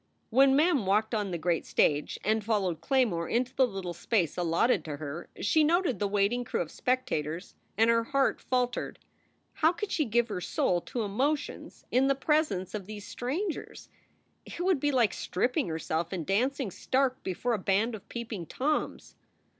When Mem walked on the great stage and followed Clay more into the little space allotted to her, she noted the waiting crew of spectators and her heart faltered. How could she give her soul to emotions in the presence of these SOULS FOR SALE 225 strangers? It would be like stripping herself and dancing stark before a band of peeping Toms.